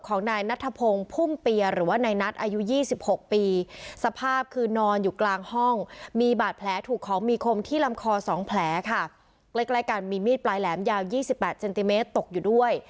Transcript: คอสองแผลค่ะใกล้ใกล้กันมีมีดปลายแหลมยาวยี่สิบแปดเซนติเมตรตกอยู่ด้วย